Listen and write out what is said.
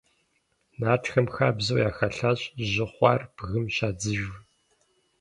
Нартхэм хабзэу яхэлъащ жьы хъуар бгым щадзыжу.